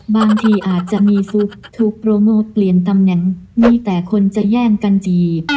บางทีอาจจะมีฟุกถูกโปรโมทเปลี่ยนตำแหน่งมีแต่คนจะแย่งกันจีบ